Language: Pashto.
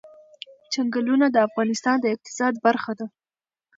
چنګلونه د افغانستان د اقتصاد برخه ده.